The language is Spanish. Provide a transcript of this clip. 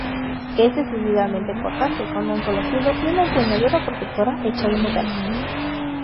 Es decididamente cortante, con un solo filo y una empuñadura protectora hecha de metal.